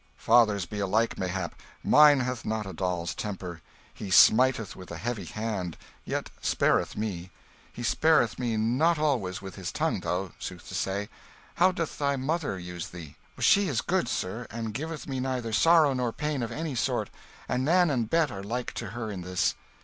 "Fathers be alike, mayhap. Mine hath not a doll's temper. He smiteth with a heavy hand, yet spareth me: he spareth me not always with his tongue, though, sooth to say. How doth thy mother use thee?" "She is good, sir, and giveth me neither sorrow nor pain of any sort. And Nan and Bet are like to her in this."